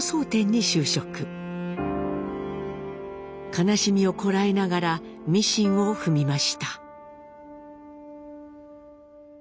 悲しみをこらえながらミシンを踏みました。